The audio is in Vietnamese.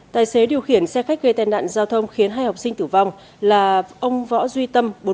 tài xế điều khiển xe khách gây tai nạn giao thông khiến hai học sinh tử vong là ông võ duy tâm